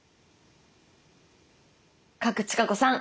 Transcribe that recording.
賀来千香子さん